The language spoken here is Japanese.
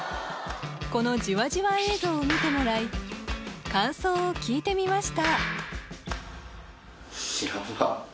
このじわじわ映像を見てもらい感想を聞いてみました